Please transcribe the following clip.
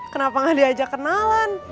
kenapa gak diajak kenalan